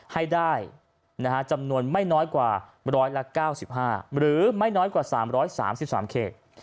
ให้ได้จำนวนไม่น้อยกว่า๑๙๕หรือไม่น้อยกว่า๓๓เขต